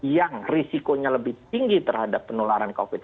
yang risikonya lebih tinggi terhadap penularan covid sembilan